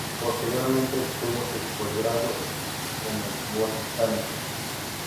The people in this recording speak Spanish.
Posteriormente, obtuvo su posgrado en etnobotánica.